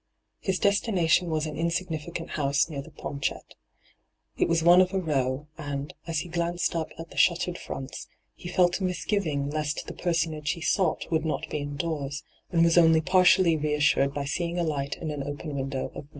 His destination was an insignificant house near the Ponchettes. It was one of a row, and, as he glanced up at the shuttesred fronts, he felt a misgiving lest the personage he sought would not be indoors, and was only partially reassured by seeing a light in an open window of No.